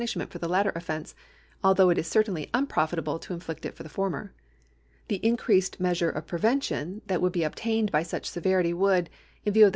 shment for the latter offence, although it is cer tainly unprofitable to inflict it for the former. The increased measure of prevention that would be obtained by such severity would, in view of tlie